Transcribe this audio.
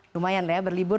lumayan ya berlibur